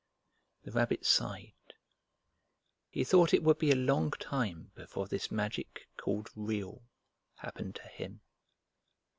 The Rabbit sighed. He thought it would be a long time before this magic called Real happened to him.